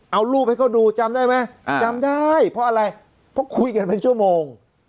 เอารูปให้เขาดูจำได้ไหมจำได้เพราะอะไรเพราะคุยกันเป็นชั่วโมง